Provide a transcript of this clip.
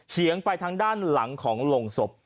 เฉียงไปทางด้านหลังของโรงศพ